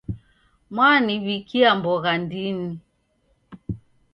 Mwaniw'ikia mbogha ndini.